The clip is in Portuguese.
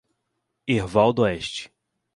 Herval d'Oeste